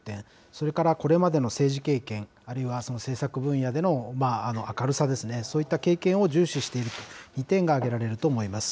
それからこれまでの政治経験、あるいは政策分野での明るさですね、そういった経験を重視していると、２点が挙げられると思います。